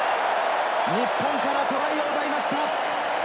日本からトライを奪いました。